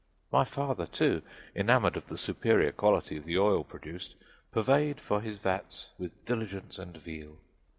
My father, too, enamored of the superior quality of oil produced, purveyed for his vats with diligence and zeal.